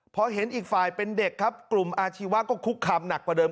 พอเห็นอีกฝ่ายเป็นเด็กครับกลุ่มอาชีวะก็คุกคามหนักกว่าเดิม